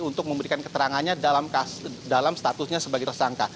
untuk memberikan keterangannya dalam statusnya sebagai tersangka